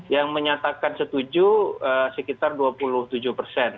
yang menyatakan setuju sekitar dua puluh tujuh persen